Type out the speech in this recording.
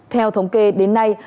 theo thống kê đến nay